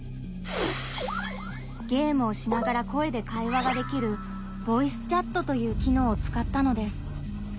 ゲームをしながら声で会話ができるボイスチャットという機能をつかったのです。